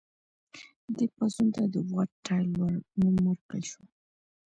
دې پاڅون ته د واټ تایلور نوم ورکړل شو.